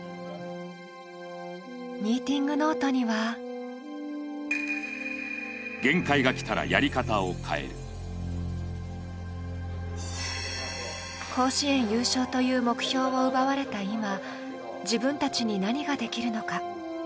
ミーティングノートには甲子園優勝という目標を奪われた今、自分たちに何ができるのか。